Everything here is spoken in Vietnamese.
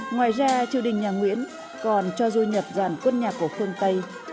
ngoài ra triều đình nhà nguyễn còn cho du nhập giàn quân nhạc của phương tây